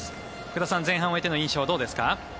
福田さん、前半終えての印象はどうですか？